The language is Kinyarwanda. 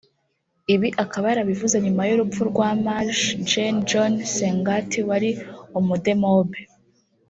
Ibi akaba yarabivuze nyuma y’urupfu rwa Maj Gen John Sengati wari umudemobe